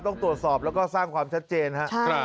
ต้องตรวจสอบแล้วก็สร้างความชัดเจนครับ